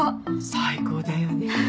最高だよね。